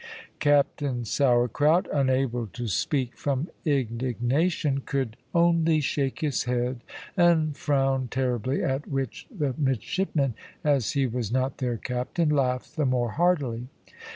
Captain Sourcrout, unable to speak from indignation, could only shake his head and frown terribly, at which the midshipmen, as he was not their captain, laughed the more heartily.